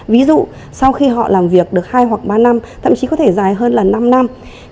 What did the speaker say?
ví dụ sau khi họ làm việc được hai hoặc ba năm thậm chí có thể dài hơn là năm năm